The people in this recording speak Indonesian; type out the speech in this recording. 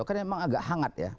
karena memang agak hangat ya